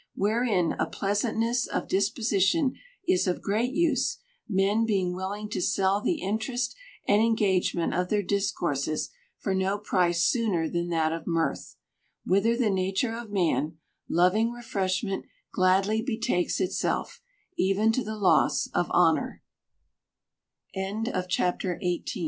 Wherein a pleasantness of disposition is of great use, men being willing to sell the interest and engagement of their discourses for no price sooner than that of mirth ; whither the nature of man, loving re freshment, gladly betakes itself, even to the loss of honor 27' 4